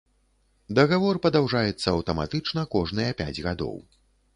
Дагавор падаўжаецца аўтаматычна кожныя пяць гадоў.